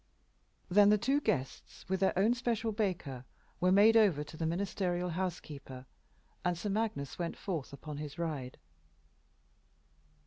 Then the two guests, with their own special Baker, were made over to the ministerial house keeper, and Sir Magnus went forth upon his ride.